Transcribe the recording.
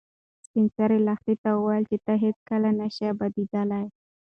سپین سرې لښتې ته وویل چې ته هیڅکله نه شې ابادېدلی.